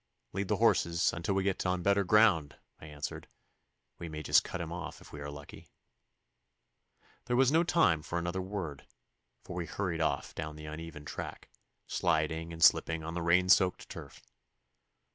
'Lead the horses until we get on better ground,' I answered. 'We may just cut him off if we are lucky.' There was no time for another word, for we hurried off down the uneven track, sliding and slipping on the rain soaked turf.